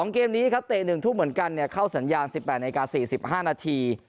เกมนี้ครับเตะ๑ทุ่มเหมือนกันเข้าสัญญาณ๑๘นาที๔๕นาที